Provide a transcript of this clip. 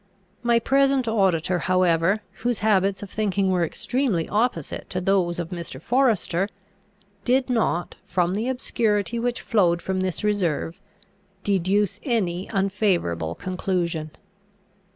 My present auditor however, whose habits of thinking were extremely opposite to those of Mr. Forester, did not, from the obscurity which flowed from this reserve, deduce any unfavourable conclusion.